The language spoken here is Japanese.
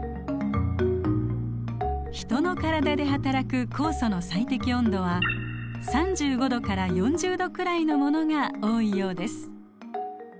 ヒトの体ではたらく酵素の最適温度は３５℃から４０℃くらいのものが多いようです。